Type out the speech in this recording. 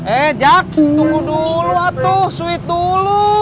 eh jak tunggu dulu atuh sweet dulu